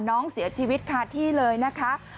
น้องเสียชีวิตคาที่เลยนะคะ